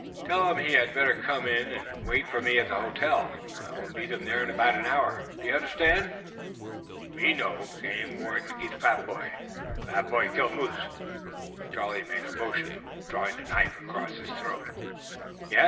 Tell him he had better come in and wait for me at the hotel. I will meet him there in about an hour. Do you understand?" "Me know. Game warden git fat boy. Fat boy kill moose." Charlie made a motion of drawing a knife across his throat. "Yes.